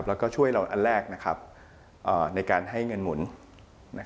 แล้วก็ช่วยเราอันแรกในการให้เงินหมุน